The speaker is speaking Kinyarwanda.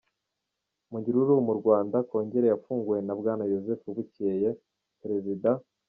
munyururu mu Rwanda, Kongere yafunguwe na Bwana Yozefu Bukeye, Perezida